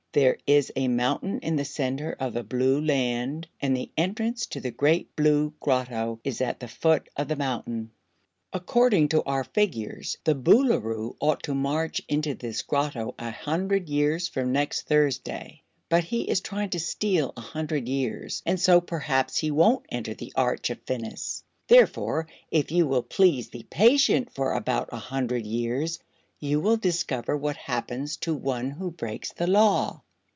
There is a mountain in the center of the Blue land, and the entrance to the Great Blue Grotto is at the foot of the mountain. According to our figures the Boolooroo ought to march into this Grotto a hundred years from next Thursday, but he is trying to steal a hundred years and so perhaps he won't enter the Arch of Phinis. Therefore, if you will please be patient for about a hundred years, you will discover what happens to one who breaks the Law."